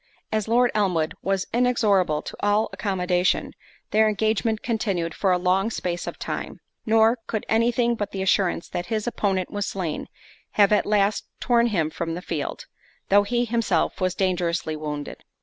As Lord Elmwood was inexorable to all accommodation, their engagement continued for a long space of time; nor could any thing but the assurance that his opponent was slain, have at last torn him from the field, though he himself was dangerously wounded.